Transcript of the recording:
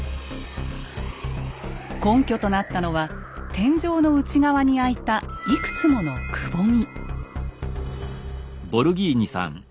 根拠となったのは天井の内側に開いたいくつものくぼみ。